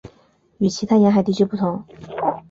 与其他沿海地区不同。